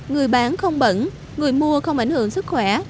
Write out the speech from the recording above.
người bán không bẩn người mua không ảnh hưởng sức khỏe